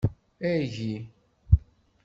Agi.